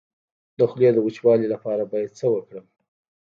د خولې د وچوالي لپاره باید څه وکړم؟